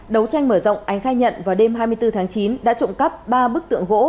đấu tranh mở rộng ánh khai nhận vào đêm hai mươi bốn tháng chín đã trộm cắp ba bức tượng gỗ